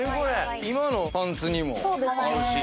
今のパンツにも合うし。